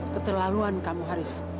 keterlaluan kamu haris